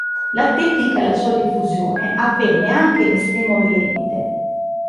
La tecnica e la sua diffusione avvenne anche in Estremo Oriente.